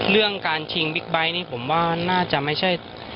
เรื่องการชิงบิ๊กไบท์นี่ผมว่าน่าจะไม่ใช่